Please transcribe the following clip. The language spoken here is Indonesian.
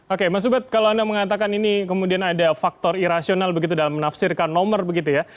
oke mas ubed kalau anda mengatakan ini kemudian ada faktor irasional begitu dalam menafsirkan nomor begitu ya